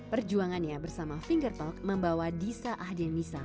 perjuangannya bersama finger talk membawa disa ahdien misa